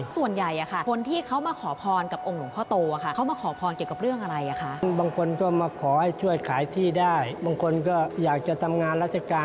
ส่วนใหญ่คนที่เขามาขอพรกับองค์หลวงพ่อโตเขามาขอพรเกี่ยวกับเรื่องอะไรคะ